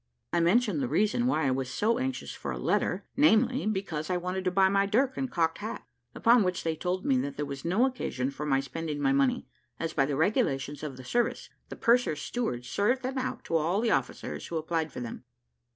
I mentioned the reason why I was so anxious for a letter, viz., because I wanted to buy my dirk and cocked hat; upon which they told me that there was no occasion for my spending my money, as by the regulations of the service, the purser's steward served them out to all the officers who applied for them.